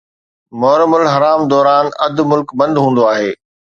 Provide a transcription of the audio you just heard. محرم الحرام دوران اڌ ملڪ بند هوندو آهي.